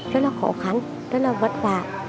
rất là khó khăn rất là vất vả